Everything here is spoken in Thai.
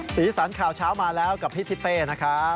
สีสันข่าวเช้ามาแล้วกับพี่ทิเป้นะครับ